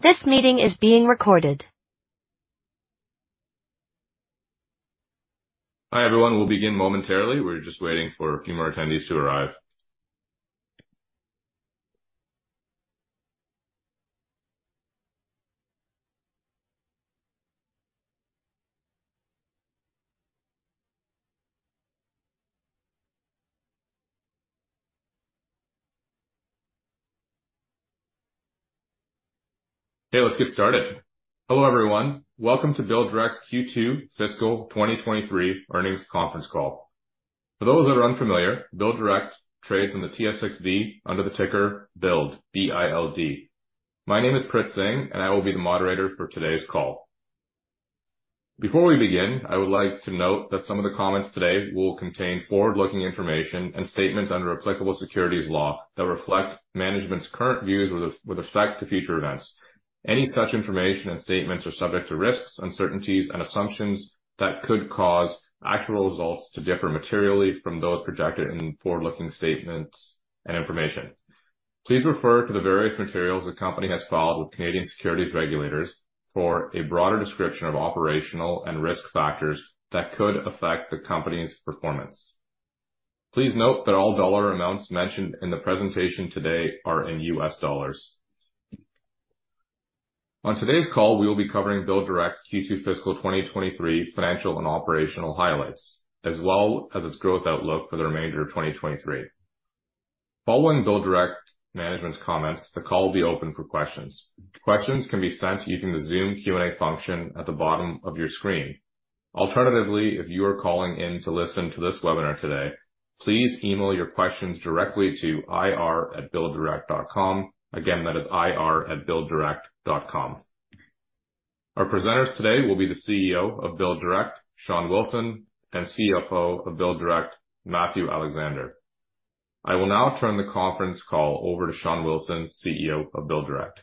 This meeting is being recorded. Hi, everyone. We'll begin momentarily. We're just waiting for a few more attendees to arrive. Okay, let's get started. Hello, everyone. Welcome to BuildDirect's Q2 fiscal 2023 earnings conference call. For those that are unfamiliar, BuildDirect trades on the TSXV under the ticker Build, B-I-L-D. My name is Prit Singh, and I will be the moderator for today's call. Before we begin, I would like to note that some of the comments today will contain forward-looking information and statements under applicable securities law that reflect management's current views with, with respect to future events. Any such information and statements are subject to risks, uncertainties and assumptions that could cause actual results to differ materially from those projected in forward-looking statements and information. Please refer to the various materials the company has filed with Canadian securities regulators for a broader description of operational and risk factors that could affect the company's performance. Please note that all dollar amounts mentioned in the presentation today are in US dollars. On today's call, we will be covering BuildDirect's Q2 fiscal 2023 financial and operational highlights, as well as its growth outlook for the remainder of 2023. Following BuildDirect management's comments, the call will be open for questions. Questions can be sent using the Zoom Q&A function at the bottom of your screen. Alternatively, if you are calling in to listen to this webinar today, please email your questions directly to ir@builddirect.com. Again, that is ir@builddirect.com. Our presenters today will be the CEO of BuildDirect, Shawn Wilson, and CFO of BuildDirect, Matthew Alexander. I will now turn the conference call over to Shawn Wilson, CEO of BuildDirect.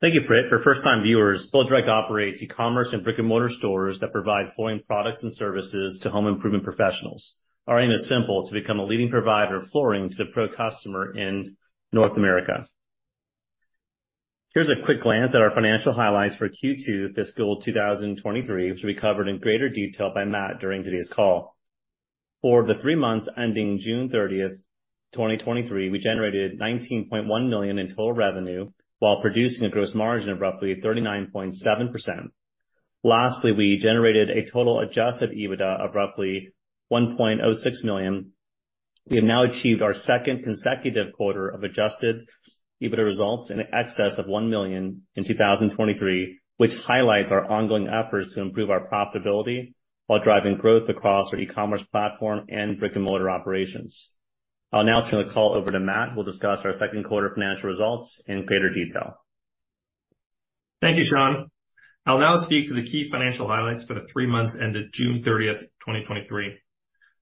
Thank you, Prit. For first-time viewers, BuildDirect operates e-commerce and brick-and-mortar stores that provide flooring products and services to home improvement professionals. Our aim is simple, to become a leading provider of flooring to the Pro Customer in North America. Here's a quick glance at our financial highlights for Q2 fiscal 2023, which will be covered in greater detail by Matt during today's call. For the three months ending June 30th, 2023, we generated $19.1 million in total revenue, while producing a gross margin of roughly 39.7%. Lastly, we generated a total Adjusted EBITDA of roughly $1.06 million. We have now achieved our second consecutive quarter of Adjusted EBITDA results in excess of $1 million in 2023, which highlights our ongoing efforts to improve our profitability while driving growth across our e-commerce platform and brick-and-mortar operations. I'll now turn the call over to Matt, who will discuss our second quarter financial results in greater detail. Thank you, Shawn. I'll now speak to the key financial highlights for the three months ended June 30, 2023.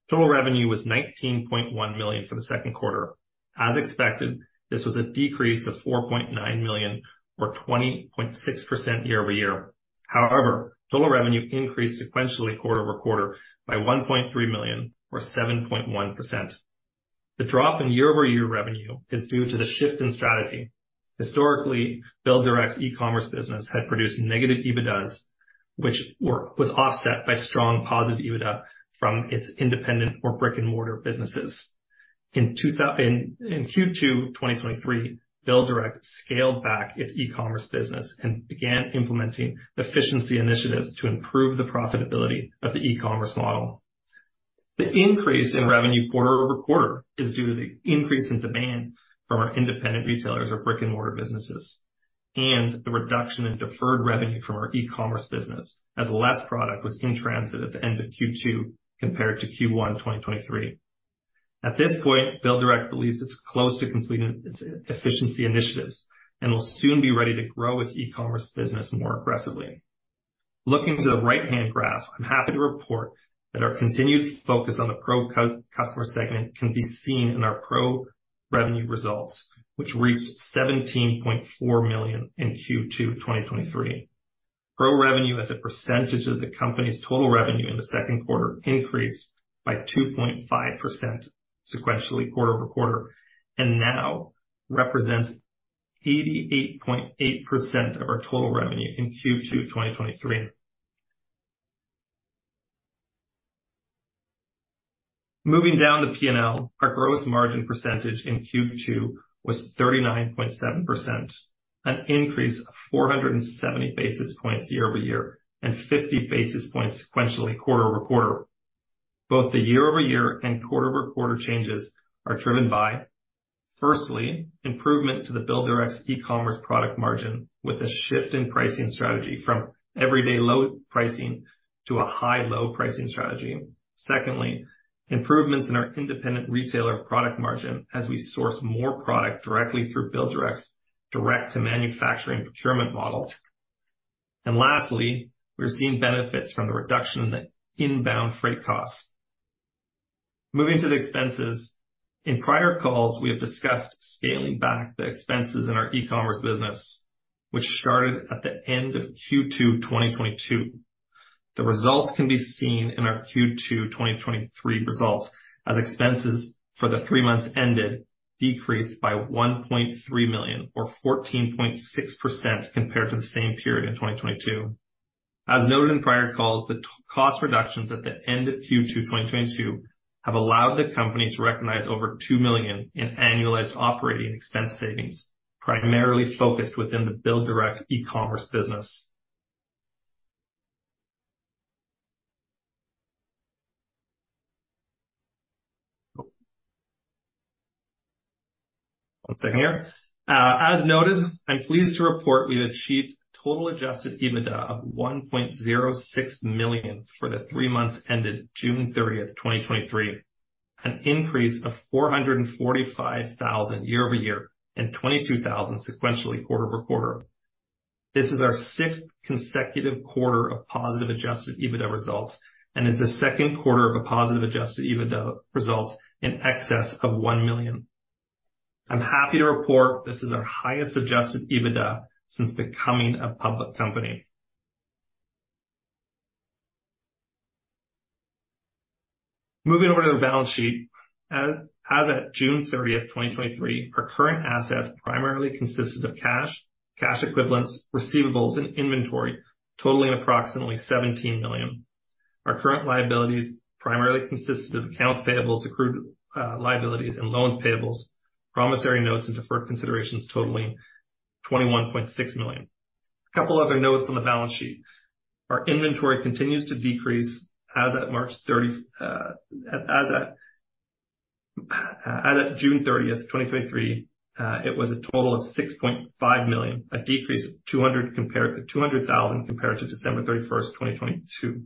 Total revenue was $19.1 million for the second quarter. As expected, this was a decrease of $4.9 million or 20.6% year-over-year. However, total revenue increased sequentially quarter-over-quarter by $1.3 million or 7.1%. The drop in year-over-year revenue is due to the shift in strategy. Historically, BuildDirect's e-commerce business had produced negative EBITDA, which was offset by strong positive EBITDA from its independent or brick-and-mortar businesses. In Q2 2023, BuildDirect scaled back its e-commerce business and began implementing efficiency initiatives to improve the profitability of the e-commerce model. The increase in revenue quarter-over-quarter is due to the increase in demand from our independent retailers or brick-and-mortar businesses, and the reduction in deferred revenue from our e-commerce business, as less product was in transit at the end of Q2 compared to Q1 2023. At this point, BuildDirect believes it's close to completing its efficiency initiatives and will soon be ready to grow its e-commerce business more aggressively. Looking to the right-hand graph, I'm happy to report that our continued focus on the Pro Customer segment can be seen in our Pro revenue results, which reached $17.4 million in Q2 2023. Pro revenue, as a percentage of the company's total revenue in the second quarter, increased by 2.5% sequentially quarter-over-quarter, and now represents 88.8% of our total revenue in Q2 2023. Moving down the PNL, our gross margin percentage in Q2 was 39.7%, an increase of 470 basis points year-over-year and 50 basis points sequentially quarter-over-quarter. Both the year-over-year and quarter-over-quarter changes are driven by, firstly, improvement to the BuildDirect's e-commerce product margin, with a shift in pricing strategy from everyday low pricing to a high-low pricing strategy. Secondly, improvements in our independent retailer product margin as we source more product directly through BuildDirect's direct to manufacturing procurement model. And lastly, we're seeing benefits from the reduction in the inbound freight costs.... Moving to the expenses. In prior calls, we have discussed scaling back the expenses in our e-commerce business, which started at the end of Q2, 2022. The results can be seen in our Q2 2023 results, as expenses for the three months ended decreased by $1.3 million, or 14.6% compared to the same period in 2022. As noted in prior calls, the cost reductions at the end of Q2 2022 have allowed the company to recognize over $2 million in annualized operating expense savings, primarily focused within the BuildDirect e-commerce business. One second here. As noted, I'm pleased to report we've achieved total adjusted EBITDA of $1.06 million for the three months ended June 30, 2023, an increase of $445,000 year-over-year, and $22,000 sequentially quarter-over-quarter. This is our sixth consecutive quarter of positive adjusted EBITDA results, and is the second quarter of a positive adjusted EBITDA results in excess of $1 million. I'm happy to report this is our highest Adjusted EBITDA since becoming a public company. Moving over to the balance sheet. As of June 30, 2023, our current assets primarily consisted of cash, cash equivalents, receivables, and inventory, totaling approximately $17 million. Our current liabilities primarily consisted of accounts payables, accrued liabilities, and loans payables, promissory notes, and deferred considerations totaling $21.6 million. A couple other notes on the balance sheet. Our inventory continues to decrease as at June 30, 2023, it was a total of $6.5 million, a decrease of $200,000 compared to December 31, 2022.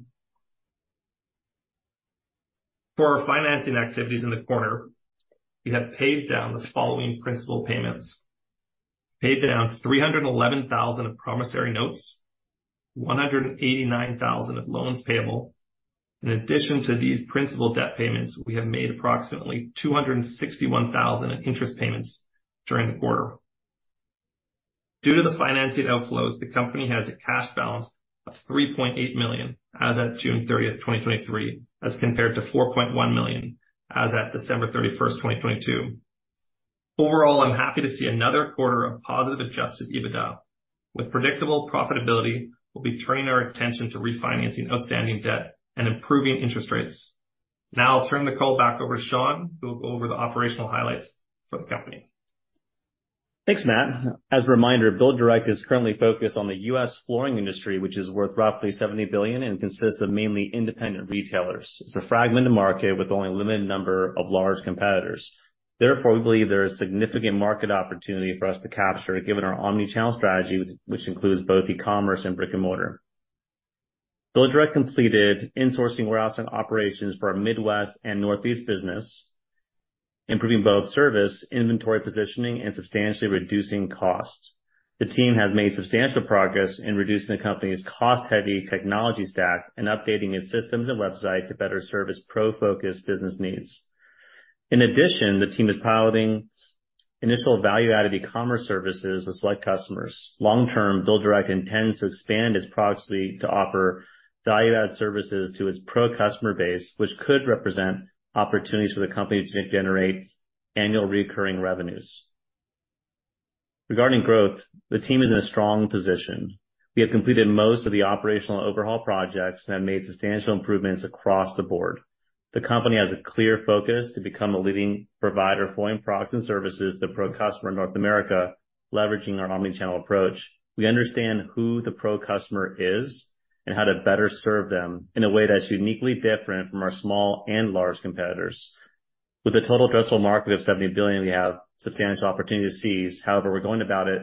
For our financing activities in the quarter, we have paid down the following principal payments. Paid down $311,000 of promissory notes, $189,000 of loans payable. In addition to these principal debt payments, we have made approximately $261,000 in interest payments during the quarter. Due to the financing outflows, the company has a cash balance of $3.8 million as at June thirtieth, 2023, as compared to $4.1 million as at December thirty-first, 2022. Overall, I'm happy to see another quarter of positive Adjusted EBITDA. With predictable profitability, we'll be turning our attention to refinancing outstanding debt and improving interest rates. Now I'll turn the call back over to Shawn, who will go over the operational highlights for the company. Thanks, Matt. As a reminder, BuildDirect is currently focused on the U.S. flooring industry, which is worth roughly $70 billion and consists of mainly independent retailers. It's a fragmented market with only a limited number of large competitors. Therefore, we believe there is significant market opportunity for us to capture, given our omni-channel strategy, which includes both e-commerce and brick-and-mortar. BuildDirect completed in-sourcing warehouse and operations for our Midwest and Northeast business, improving both service, inventory positioning, and substantially reducing costs. The team has made substantial progress in reducing the company's cost-heavy technology stack and updating its systems and website to better serve its pro-focused business needs. In addition, the team is piloting initial value-added e-commerce services with select customers. Long-term, BuildDirect intends to expand its platform to offer value-add services to its pro customer base, which could represent opportunities for the company to generate annual recurring revenues. Regarding growth, the team is in a strong position. We have completed most of the operational overhaul projects and have made substantial improvements across the board. The company has a clear focus to become a leading provider of flooring products and services to Pro Customer in North America, leveraging our omni-channel approach. We understand who the Pro Customer is and how to better serve them in a way that's uniquely different from our small and large competitors. With a total addressable market of $70 billion, we have substantial opportunity to seize, however, we're going about it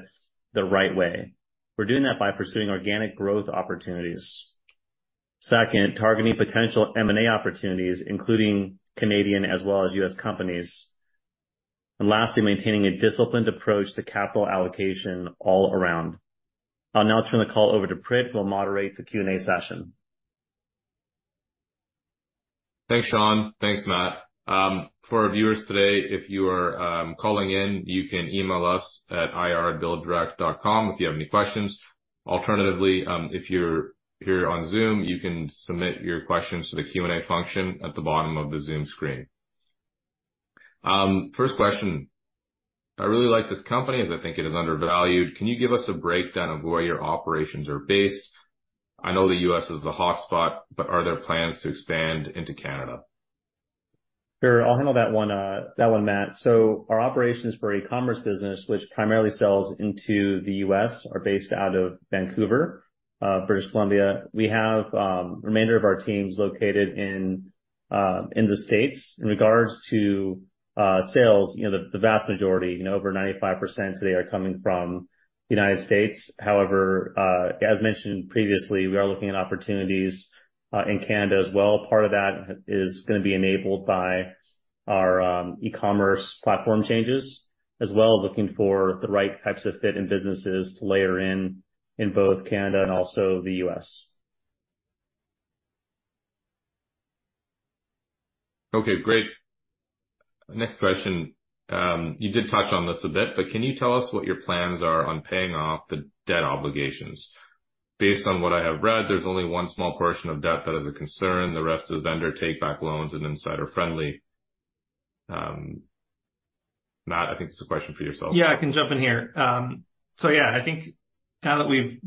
the right way. We're doing that by pursuing organic growth opportunities. Second, targeting potential M&A opportunities, including Canadian as well as U.S. companies. And lastly, maintaining a disciplined approach to capital allocation all around. I'll now turn the call over to Prit, who will moderate the Q&A session. Thanks, Shawn. Thanks, Matt. For our viewers today, if you are calling in, you can email us at ir@builddirect.com if you have any questions. Alternatively, if you're here on Zoom, you can submit your questions to the Q&A function at the bottom of the Zoom screen. First question: I really like this company as I think it is undervalued. Can you give us a breakdown of where your operations are based? I know the U.S. is the hotspot, but are there plans to expand into Canada? Sure. I'll handle that one, Matt. So our operations for e-commerce business, which primarily sells into the U.S., are based out of Vancouver, British Columbia. We have remainder of our teams located in the States. In regards to sales, you know, the vast majority, you know, over 95% today are coming from the United States. However, as mentioned previously, we are looking at opportunities in Canada as well. Part of that is gonna be enabled by our e-commerce platform changes, as well as looking for the right types of fit in businesses to layer in, in both Canada and also the U.S. Okay, great. Next question. You did touch on this a bit, but can you tell us what your plans are on paying off the debt obligations? Based on what I have read, there's only one small portion of debt that is a concern. The rest is vendor take-back loans and insider friendly. Matt, I think this is a question for yourself. Yeah, I can jump in here. So yeah, I think now that we've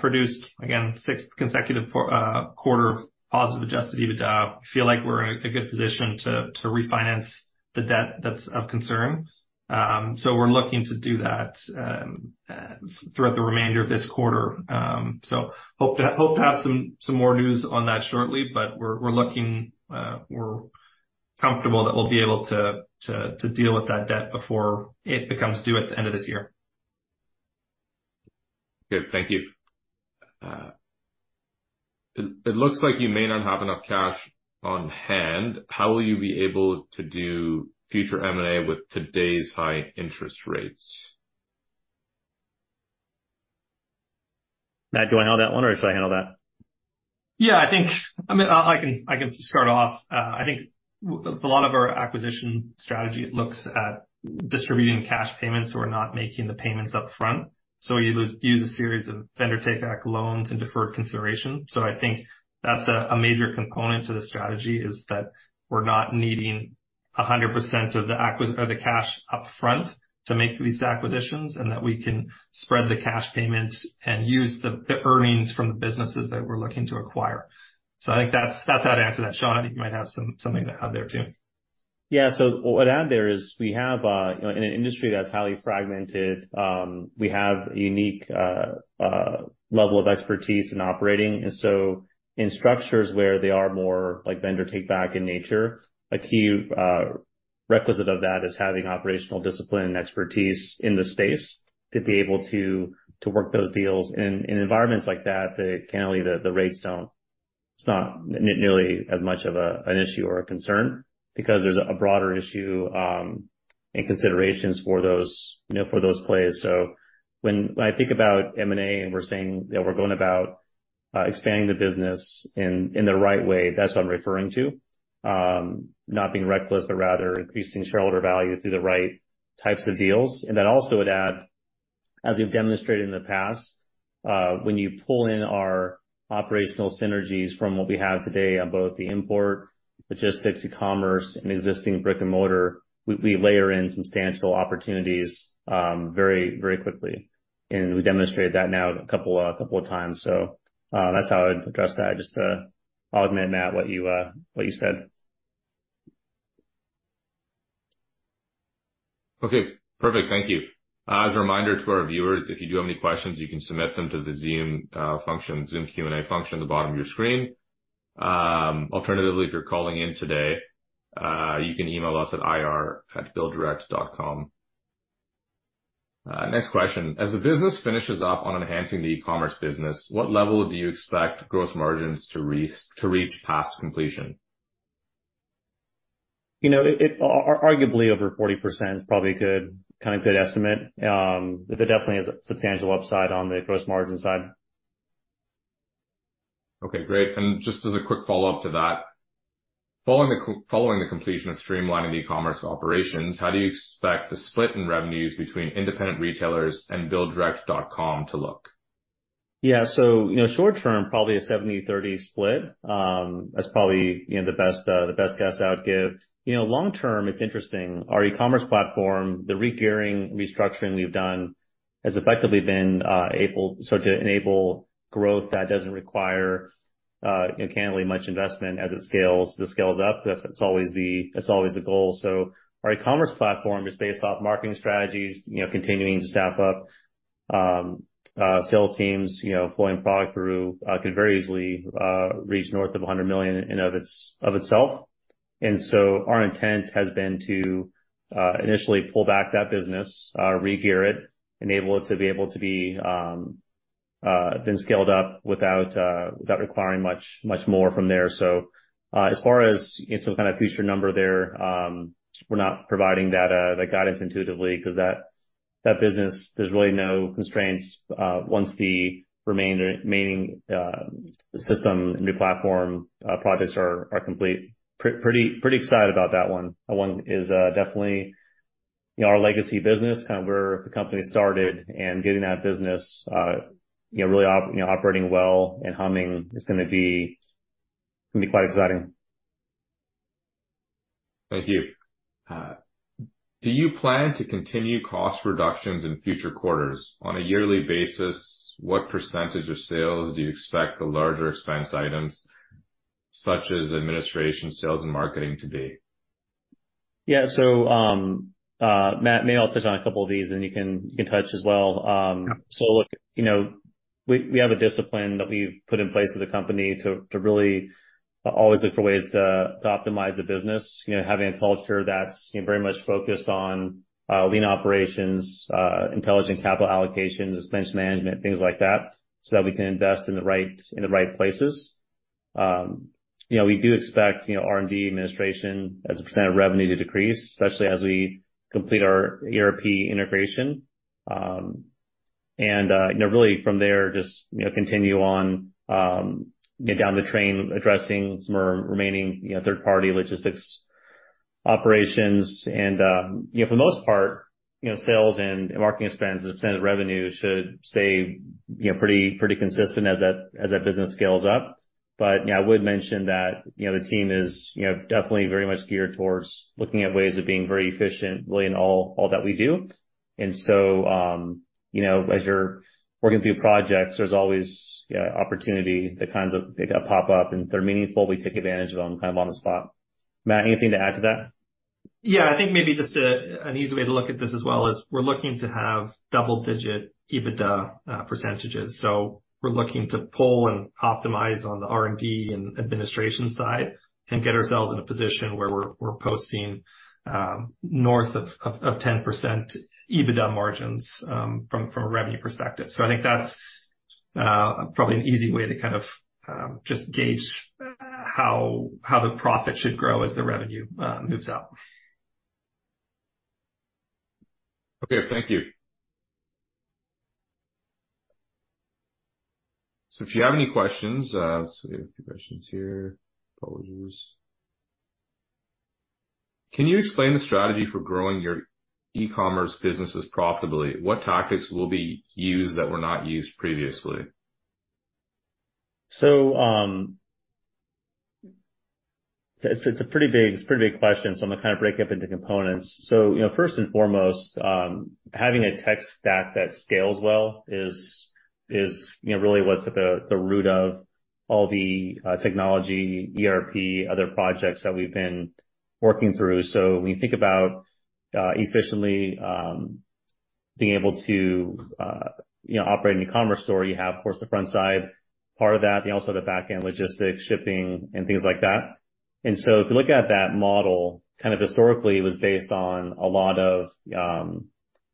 produced again the sixth consecutive quarter of positive Adjusted EBITDA, I feel like we're in a good position to refinance the debt that's of concern. So we're looking to do that throughout the remainder of this quarter. So hope to have some more news on that shortly, but we're looking, we're comfortable that we'll be able to deal with that debt before it becomes due at the end of this year. Good. Thank you. It looks like you may not have enough cash on hand. How will you be able to do future M&A with today's high interest rates? Matt, do you want to handle that one, or should I handle that? Yeah, I think... I mean, I can start off. I think a lot of our acquisition strategy looks at distributing cash payments. We're not making the payments upfront, so we use a series of vendor take-back loans and deferred consideration. So I think that's a major component to the strategy, is that we're not needing 100% of the acquisition or the cash upfront to make these acquisitions, and that we can spread the cash payments and use the earnings from the businesses that we're looking to acquire. So I think that's how I'd answer that. Shawn, you might have something to add there too. Yeah. So what I'd add there is we have a, you know, in an industry that's highly fragmented, we have a unique level of expertise in operating. And so in structures where they are more like vendor take-back in nature, a key requisite of that is having operational discipline and expertise in the space to be able to work those deals. In environments like that, candidly, the rates don't. It's not nearly as much of an issue or a concern because there's a broader issue and considerations for those, you know, for those plays. So when I think about M&A and we're saying that we're going about expanding the business in the right way, that's what I'm referring to. Not being reckless, but rather increasing shareholder value through the right types of deals. And then also would add, as we've demonstrated in the past, when you pull in our operational synergies from what we have today on both the import, logistics, e-commerce, and existing brick-and-mortar, we layer in substantial opportunities, very, very quickly. And we demonstrated that now a couple of times. So, that's how I'd address that, just to augment, Matt, what you said. Okay, perfect. Thank you. As a reminder to our viewers, if you do have any questions, you can submit them to the Zoom function, Zoom Q&A function at the bottom of your screen. Alternatively, if you're calling in today, you can email us at ir@builddirect.com. Next question: As the business finishes up on enhancing the e-commerce business, what level do you expect gross margins to reach past completion? You know, it arguably over 40% is probably a good, kind of good estimate. But there definitely is a substantial upside on the gross margin side. Okay, great. And just as a quick follow-up to that, following the completion of streamlining the e-commerce operations, how do you expect the split in revenues between independent retailers and BuildDirect.com to look? Yeah. So, you know, short term, probably a 70/30 split. That's probably, you know, the best, the best guess I would give. You know, long term, it's interesting. Our e-commerce platform, the regearing, restructuring we've done, has effectively been able so to enable growth that doesn't require, candidly, much investment as it scales, the scales up. That's always the-- that's always the goal. So our e-commerce platform is based off marketing strategies, you know, continuing to staff up, sales teams, you know, flowing product through, could very easily reach north of $100 million in of its, of itself. And so our intent has been to initially pull back that business, regear it, enable it to be able to be then scaled up without requiring much, much more from there. So, as far as some kind of future number there, we're not providing that, that guidance intuitively, 'cause that, that business, there's really no constraints, once the remaining, system and new platform, projects are complete. Pretty excited about that one. That one is, definitely, you know, our legacy business, kind of where the company started and getting that business, you know, really operating well and humming is gonna be, gonna be quite exciting. Thank you. Do you plan to continue cost reductions in future quarters? On a yearly basis, what percentage of sales do you expect the larger expense items such as administration, sales, and marketing to be? Yeah. So, Matt, maybe I'll touch on a couple of these, and you can, you can touch as well. So look, you know, we, we have a discipline that we've put in place as a company to, to really always look for ways to, to optimize the business. You know, having a culture that's, you know, very much focused on, lean operations, intelligent capital allocations, expense management, things like that, so that we can invest in the right, in the right places. You know, we do expect, you know, R&D administration as a % of revenue to decrease, especially as we complete our ERP integration. And, you know, really from there, just, you know, continue on, down the train, addressing some remaining, you know, third-party logistics operations. And, you know, for the most part, you know, sales and marketing spends as a percent of revenue should stay, you know, pretty, pretty consistent as that, as that business scales up. But, yeah, I would mention that, you know, the team is, you know, definitely very much geared towards looking at ways of being very efficient really in all, all that we do. And so, you know, as you're working through projects, there's always, you know, opportunity that kinds of, that pop up, and if they're meaningful, we take advantage of them kind of on the spot. Matt, anything to add to that? Yeah, I think maybe just an easy way to look at this as well is we're looking to have double-digit EBITDA percentages. So we're looking to pull and optimize on the R&D and administration side and get ourselves in a position where we're posting north of 10% EBITDA margins from a revenue perspective. So I think that's probably an easy way to kind of just gauge how the profit should grow as the revenue moves up. Okay, thank you. So if you have any questions... let's see, a few questions here. Apologies. Can you explain the strategy for growing your e-commerce businesses profitably? What tactics will be used that were not used previously? So, it's a pretty big, it's a pretty big question, so I'm gonna kind of break it up into components. So, you know, first and foremost, having a tech stack that scales well is, you know, really what's at the root of all the technology, ERP, other projects that we've been working through. So when you think about efficiently being able to, you know, operate an e-commerce store, you have, of course, the front side part of that. You also have the back-end logistics, shipping, and things like that. And so if you look at that model, kind of historically, it was based on a lot of,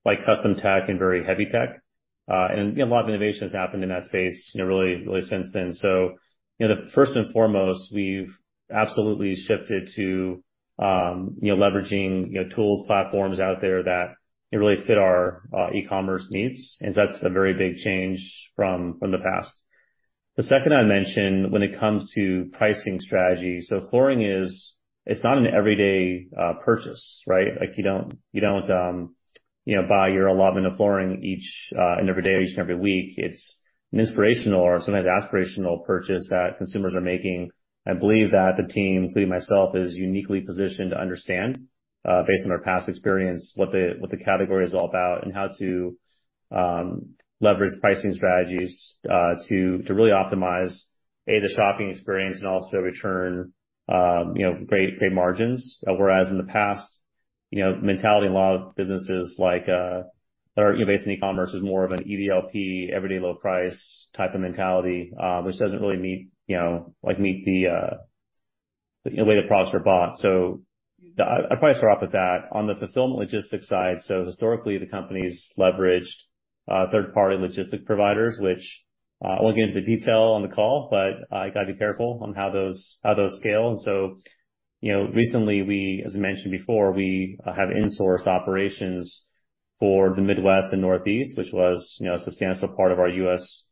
like, custom tech and very heavy tech. And, you know, a lot of innovation has happened in that space, you know, really, really since then. So, you know, first and foremost, we've absolutely shifted to, you know, leveraging, you know, tools, platforms out there that really fit our, e-commerce needs, and that's a very big change from the past. The second I'd mention when it comes to pricing strategy, so flooring is, it's not an everyday, purchase, right? Like, you don't, you know, buy your allotment of flooring each and every day, each and every week. It's an inspirational or sometimes aspirational purchase that consumers are making. I believe that the team, including myself, is uniquely positioned to understand, based on our past experience, what the category is all about, and how to, leverage pricing strategies, to really optimize, A, the shopping experience and also return, you know, great, great margins. Whereas in the past, you know, mentality in a lot of businesses like, or, you know, based on e-commerce is more of an EDLP, every day low price, type of mentality, which doesn't really meet, you know, like, meet the, the way the products are bought. So I'd probably start off with that. On the fulfillment logistics side, so historically, the company's leveraged third-party logistics providers, which, I won't get into the detail on the call, but, you got to be careful on how those, how those scale. And so, you know, recently, we, as I mentioned before, we, have insourced operations for the Midwest and Northeast, which was, you know, a substantial part of our U.S.,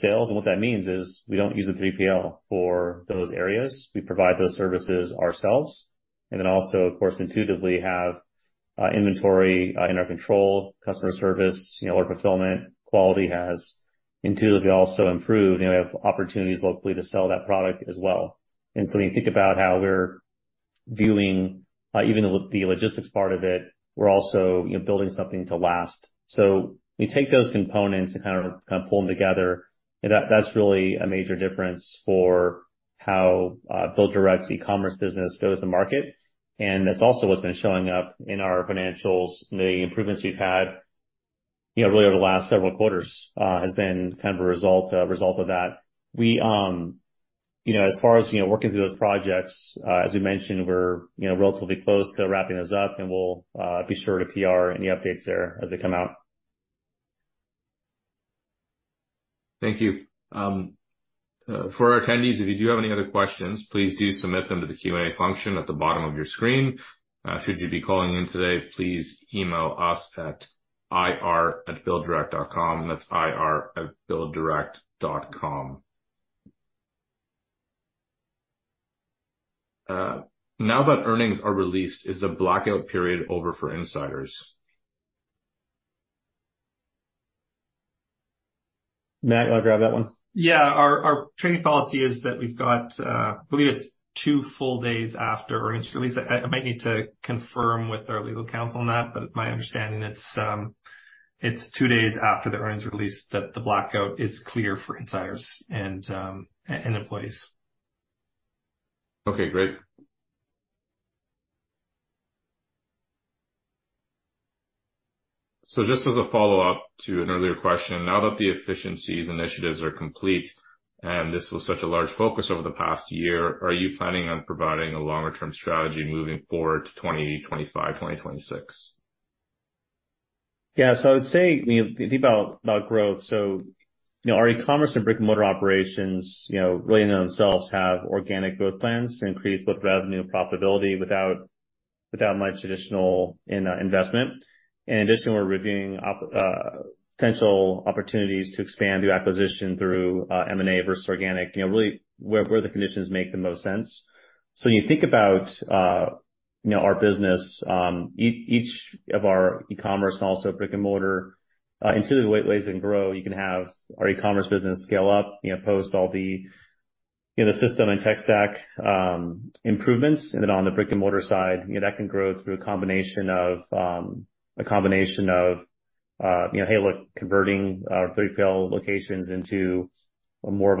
sales. And what that means is we don't use a 3PL for those areas. We provide those services ourselves. Then also, of course, intuitively have inventory in our control, customer service, you know, order fulfillment, quality has intuitively also improved. You know, we have opportunities locally to sell that product as well. And so when you think about how we're viewing even the logistics part of it, we're also, you know, building something to last. So we take those components and kind of pull them together, and that's really a major difference for how BuildDirect's e-commerce business goes to market. And that's also what's been showing up in our financials. The improvements we've had, you know, really over the last several quarters has been kind of a result of that. We, you know, as far as, you know, working through those projects, as we mentioned, we're, you know, relatively close to wrapping this up, and we'll be sure to PR any updates there as they come out. Thank you. For our attendees, if you do have any other questions, please do submit them to the Q&A function at the bottom of your screen. Should you be calling in today, please email us at ir@builddirect.com. That's ir@builddirect.com. Now that earnings are released, is the blackout period over for insiders? Matt, you want to grab that one? Yeah. Our trading policy is that we've got. I believe it's two full days after earnings release. I might need to confirm with our legal counsel on that, but my understanding, it's two days after the earnings release that the blackout is clear for insiders and employees. Okay, great. So just as a follow-up to an earlier question, now that the efficiencies initiatives are complete, and this was such a large focus over the past year, are you planning on providing a longer-term strategy moving forward to 2025, 2026? Yeah, so I would say, you know, if you think about growth. You know, our e-commerce and brick-and-mortar operations, you know, really in themselves have organic growth plans to increase both revenue and profitability without much additional investment. In addition, we're reviewing potential opportunities to expand through acquisition, through M&A versus organic, you know, really where the conditions make the most sense. So when you think about, you know, our business, each of our e-commerce and also brick-and-mortar into the ways and grow, you can have our e-commerce business scale up, you know, post all the, you know, the system and tech stack improvements. And then on the brick-and-mortar side, you know, that can grow through a combination of, you know, hey, look, converting our 3 field locations into more of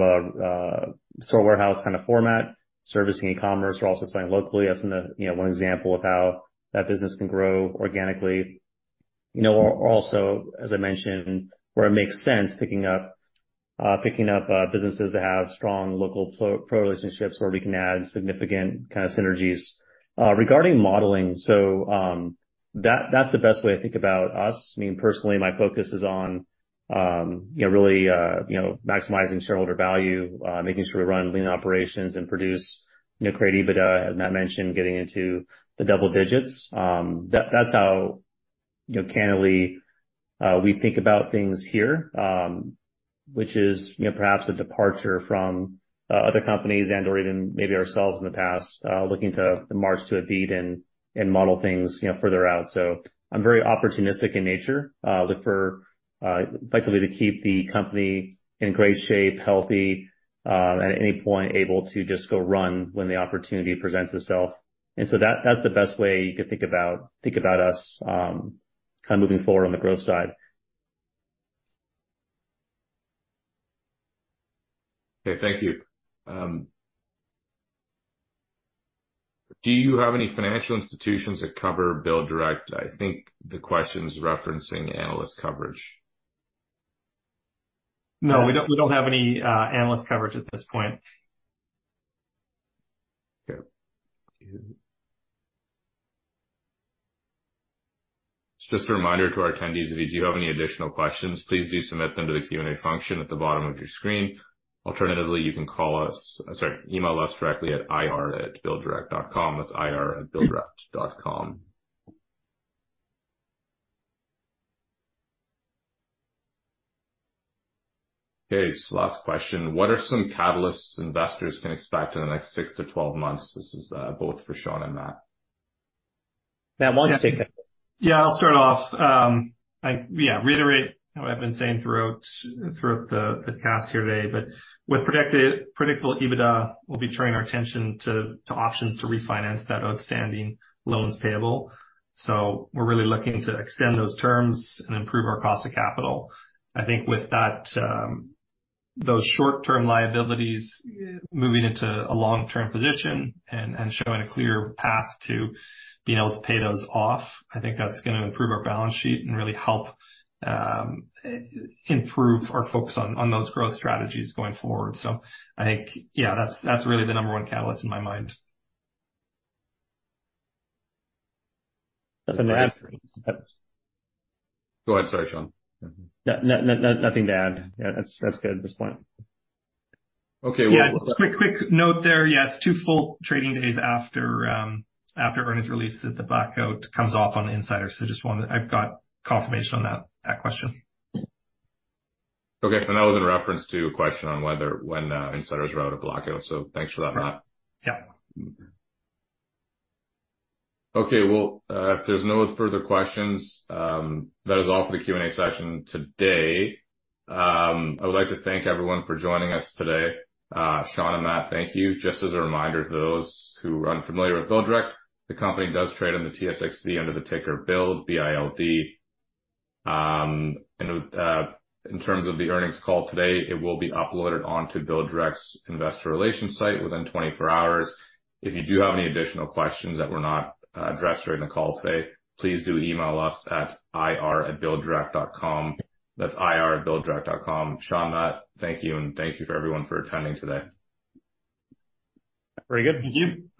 a store warehouse kind of format, servicing e-commerce. We're also selling locally. That's, you know, one example of how that business can grow organically. You know, also, as I mentioned, where it makes sense, picking up businesses that have strong local pro relationships, where we can add significant kind of synergies. Regarding modeling, so, that's the best way to think about us. Me, personally, my focus is on, you know, really, you know, maximizing shareholder value, making sure we run lean operations and produce, you know, create EBITDA, as Matt mentioned, getting into the double digits. That's how, you know, candidly, we think about things here, which is, you know, perhaps a departure from other companies and or even maybe ourselves in the past, looking to march to a beat and model things, you know, further out. So I'm very opportunistic in nature. Look for effectively to keep the company in great shape, healthy, at any point, able to just go run when the opportunity presents itself. And so that's the best way you could think about, think about us, kind of moving forward on the growth side. Okay, thank you. Do you have any financial institutions that cover BuildDirect? I think the question is referencing analyst coverage. No, we don't, we don't have any analyst coverage at this point. Okay. Just a reminder to our attendees, if you do have any additional questions, please do submit them to the Q&A function at the bottom of your screen. Alternatively, you can call us—sorry, email us directly at ir@builddirect.com. That's ir@builddirect.com. Okay, so last question: What are some catalysts investors can expect in the next 6-12 months? This is both for Shawn and Matt. Matt, why don't you take that? Yeah, I'll start off. I, yeah, reiterate what I've been saying throughout the call here today, but with predictable EBITDA, we'll be turning our attention to options to refinance that outstanding loans payable. So we're really looking to extend those terms and improve our cost of capital. I think with that, those short-term liabilities moving into a long-term position and showing a clear path to being able to pay those off, I think that's gonna improve our balance sheet and really help improve our focus on those growth strategies going forward. So I think, yeah, that's really the number one catalyst in my mind. Nothing to add. Go ahead. Sorry, Shawn. No, nothing to add. Yeah, that's good at this point. Okay, well- Yeah, quick, quick note there. Yeah, it's two full trading days after, after earnings release that the blackout comes off on the insiders. So just wanted... I've got confirmation on that, that question. Okay, and that was in reference to a question on whether, when, insiders were out of blackout, so thanks for that, Matt. Yeah. Okay. Well, if there's no further questions, that is all for the Q&A session today. I would like to thank everyone for joining us today. Shawn and Matt, thank you. Just as a reminder to those who are unfamiliar with BuildDirect, the company does trade on the TSXV under the ticker Build, B-I-L-D. And in terms of the earnings call today, it will be uploaded onto BuildDirect's investor relations site within 24 hours. If you do have any additional questions that were not addressed during the call today, please do email us at ir@builddirect.com. That's ir@builddirect.com. Shawn, Matt, thank you, and thank you for everyone for attending today. Very good. Thank you.